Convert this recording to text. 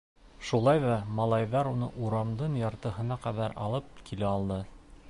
Шулай ҙа малайҙар уны урамдың яртыһына ҡәҙәр алып килә алды.